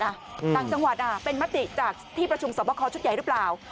ต่างจังหวัดเป็นมติจากที่ประชุมสอบคอชุดใหญ่หรือเปล่า